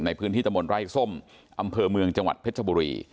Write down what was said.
ในพื้นที่ตะมนต์ไร่ส้มอำเภอเมืองจังหวัดเพชรบุรี